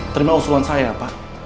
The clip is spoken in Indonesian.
terima usulan saya pak